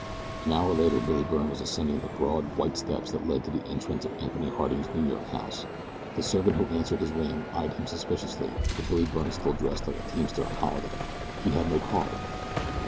An hour later Billy Byrne was ascending the broad, white steps that led to the entrance of Anthony Harding's New York house. The servant who answered his ring eyed him suspiciously, for Billy Byrne still dressed like a teamster on holiday. He had no card!